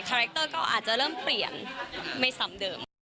แรคเตอร์ก็อาจจะเริ่มเปลี่ยนไม่ซ้ำเดิม